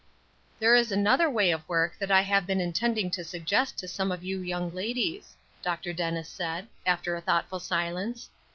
"There is another way of work that I have been intending to suggest to some of you young ladies," Dr. Dennis said, after a thoughtful silence.